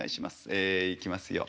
えいきますよ。